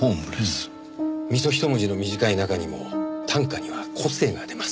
三十一文字の短い中にも短歌には個性が出ます。